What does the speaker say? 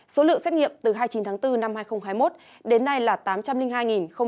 số lượng xét nghiệm từ hai mươi chín tháng bốn năm hai nghìn hai mươi một đến nay là tám trăm linh hai chín ca đã điều trị khỏi